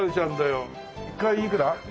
１回いくら？